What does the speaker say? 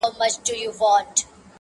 د مستو پېغلو د پاولیو وطن؛